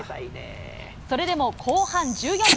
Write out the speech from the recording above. それでも後半１４番。